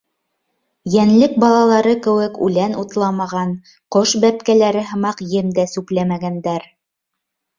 Йәнлек балалары кеүек үлән утламаған, ҡош бәпкәләре һымаҡ ем дә сүпләмәгәндәр.